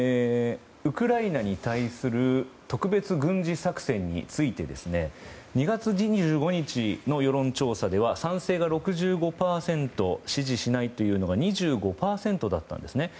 ウクライナに対する特別軍事作戦について２月２５日の世論調査では賛成が６５％支持しないというのが２５％だったんです。